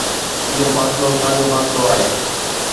اهو فاصلو ساڳيو فاصلو آهي